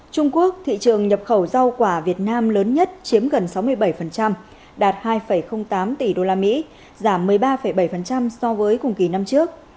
trung quốc thị trường nhập khẩu rau quả việt nam lớn nhất chiếm gần sáu mươi bảy đạt hai tám tỷ usd giảm một mươi ba bảy so với cùng kỳ năm trước